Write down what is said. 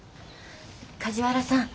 梶原さん。